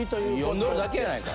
読んどるだけやないか！